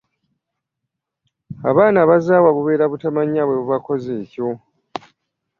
Abaana abazaawa bubeera butamanya bwe bubakoza ekyo.